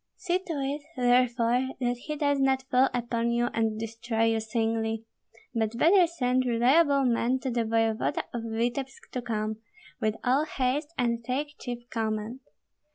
See to it, therefore, that he does not fall upon you and destroy you singly. But better send reliable men to the voevoda of Vityebsk to come, with all haste and take chief command.